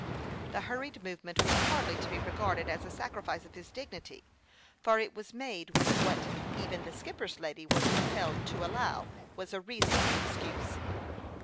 This hurried movement was hardly to be regarded as a sacrifice of his dignity, for it was made with what even the skipper's lady was compelled to allow was a reasonable excuse.